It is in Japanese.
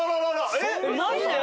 えっマジで？